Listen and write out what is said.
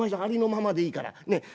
ありのままでいいからね。